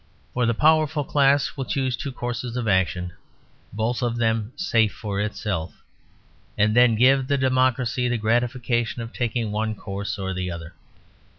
For the powerful class will choose two courses of action, both of them safe for itself, and then give the democracy the gratification of taking one course or the other.